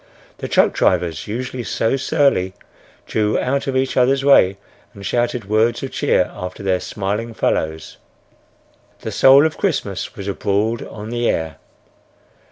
The truck drivers, usually so surly, drew out of each others' way and shouted words of cheer after their smiling fellows. The soul of Christmas was abroad on the air.